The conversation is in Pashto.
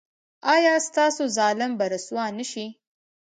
ایا ستاسو ظالم به رسوا نه شي؟